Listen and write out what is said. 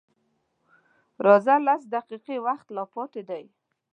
_راځه! لس دقيقې وخت لا پاتې دی.